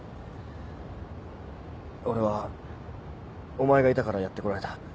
俺はお前がいたからやってこられた。